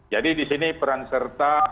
jadi di sini peran serta